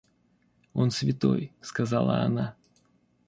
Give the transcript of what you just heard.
Он святой, — сказала она.